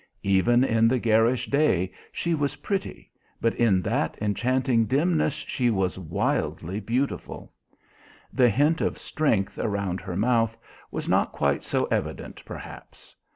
Even in the garish day she was pretty, but in that enchanting dimness she was wildly beautiful. The hint of strength around her mouth was not quite so evident perhaps.